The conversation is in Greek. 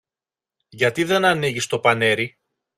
Γιατί δεν ανοίγεις το πανέρι;